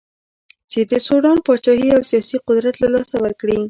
چې د سوډان پاچهي او سیاسي قدرت له لاسه ورکړي.